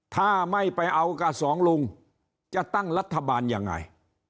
ถ้าไม่ไปเอากับสองลุงจะตั้งรัฐบาลยังไง